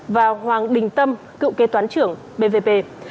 và hoàng bình tâm cựu kê toán trưởng pvb